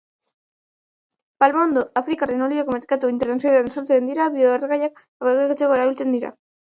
Palmondo afrikarraren olioak merkatu internazionalean saltzen diren bio-erregaiak fabrikatzeko erabiltzen dira.